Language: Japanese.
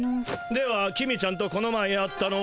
では公ちゃんとこの前会ったのは？